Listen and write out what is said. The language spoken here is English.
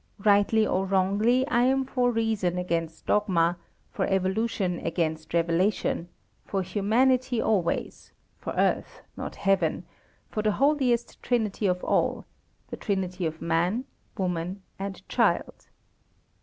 Rightly or wrongly, I am for reason against dogma, for evolution against revelation; for humanity always; for earth, not Heaven; for the holiest Trinity of all the Trinity of Man, Woman, and Child.